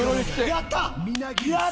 やったー！